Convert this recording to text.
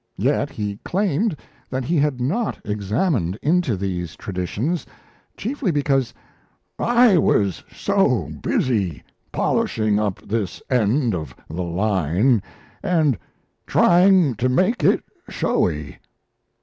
Yet he claimed that he had not examined into these traditions, chiefly because "I was so busy polishing up this end of the line and trying to make it showy."